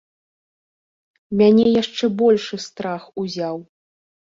Мяне яшчэ большы страх узяў.